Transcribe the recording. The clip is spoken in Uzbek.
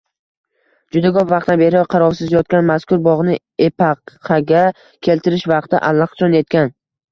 Juda koʻp vaqtdan beri qarovsiz yotgan mazkur bogʻni epaqaga keltirish vaqti allaqachon yetgan.